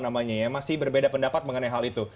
masih berbeda pendapat mengenai hal itu